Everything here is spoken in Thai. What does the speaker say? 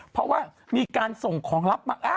เพราะว่ามีการส่งของลับมา